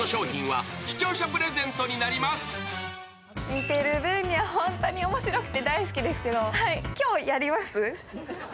見てる分には本当に面白くて大好きですけど今日やります？